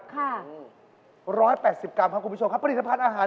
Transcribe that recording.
คือ๑๘๐กรัมครับผลิตภัทรอาหาร